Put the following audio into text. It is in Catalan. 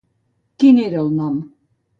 Quin era el nom?